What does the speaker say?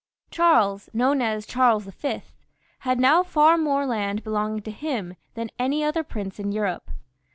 Charles, known as Charles V., had now far more land belonging to him than aiiy other prince in Europe.